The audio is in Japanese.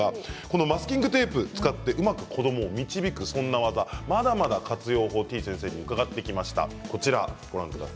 マスキングテープを使ってうまく子どもを導くそんな技まだまだ活用法をてぃ先生に伺ってきました。